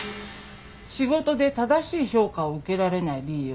仕事で正しい評価を受けられない理由。